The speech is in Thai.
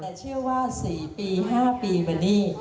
แต่เชื่อว่า๔๕ปีวันนี้